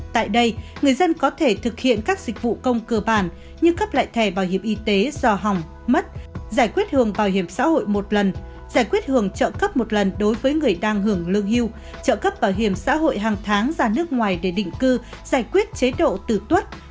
tại đây người dân có thể thực hiện các dịch vụ công cơ bản như cấp lại thẻ bảo hiểm y tế do hỏng mất giải quyết hưởng bảo hiểm xã hội một lần giải quyết hưởng trợ cấp một lần đối với người đang hưởng lương hưu trợ cấp bảo hiểm xã hội hàng tháng ra nước ngoài để định cư giải quyết chế độ tử tuất